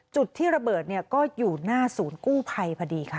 จุดที่ระเบิดก็อยู่หน้าศูนย์กู้ภัยพอดีค่ะ